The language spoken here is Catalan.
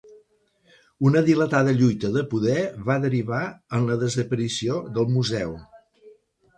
Una dilatada lluita de poder va derivar en la desaparició del museu.